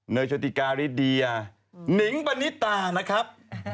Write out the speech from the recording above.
โชติการิเดียนิงปณิตานะครับ